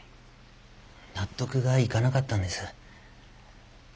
納得がいかなかったんです。